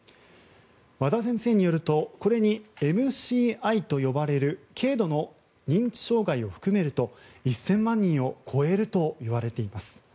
和田先生によるとこれにＭＣＩと呼ばれる軽度の認知障害を含めると１０００万人を超えるといわれています。